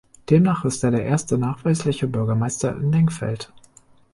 Demnach ist er der erste nachweisliche Bürgermeister in Lengfeld.